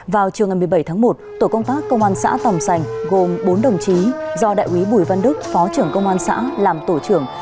vào chiều ngày một mươi bảy tháng một tổ công tác công an xã tồng sành gồm bốn đồng chí do đại quý bùi văn đức phó trưởng công an xã làm tổ trưởng